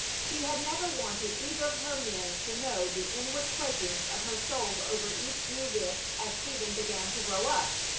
She had never wanted either of her men to know the inward quakings of her soul over each new risk as Stephen began to grow up.